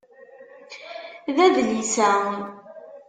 D adlis-a.